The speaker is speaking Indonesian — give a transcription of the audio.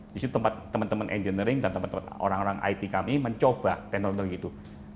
di situ teman teman engineering dan teman teman orang orang it kami mencoba teknologi itu